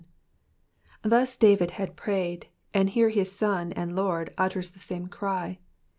Thus David had prayed, and here his Son and Lord utters the same cry.